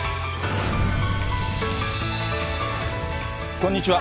こんにちは。